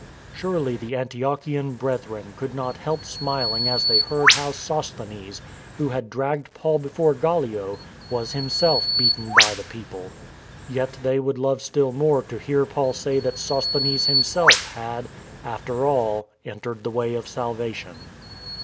Surely the Antiochean Brethren could not help smiling as they heard how Sosthenes, who had dragged Paul before Gallio, was himself beaten by the people; yet they would love still more to hear Paul say that Sosthenes himself had, after all, entered the Way of Salvation.